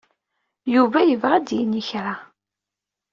Yuba yebɣa ad d-yini kra.